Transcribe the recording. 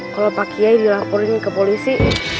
kalau pak kiai dilaporin ke polisi